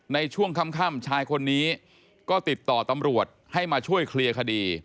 ในช่วงค่ำชายคนนี้ก็ติดต่อตำรวจให้มาช่วยเคลียร์คดี